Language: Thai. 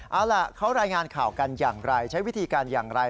เอาล่ะเขารายงานข่าวกันอย่างไรใช้วิธีการอย่างไร